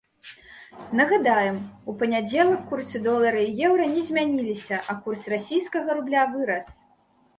Нагадаем, у панядзелак курсы долара і еўра не змяніліся, а курс расійскага рубля вырас.